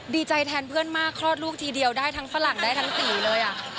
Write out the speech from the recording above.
ดีใจแทนเพื่อนมากคลอดลูกทีเดียวได้ทั้งฝรั่งได้ทั้งสีเลย